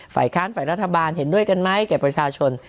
ฝ่ายค้านฝ่ายรัฐบาลเห็นด้วยกันไหมแก่ประชาชน